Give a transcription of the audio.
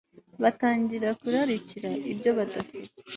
batangira kurarikira ibyo badafite